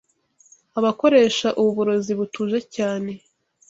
Abakoresha ubu burozi butuje cyane